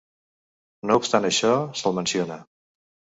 No obstant això, se'l menciona.